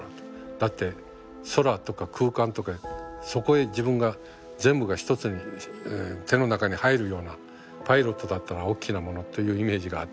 だって空とか空間とかそこへ自分が全部が一つに手の中に入るようなパイロットだったのはおっきなものっていうイメージがあった。